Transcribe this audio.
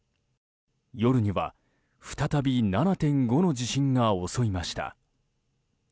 夜には再び７．５の地震が襲いました。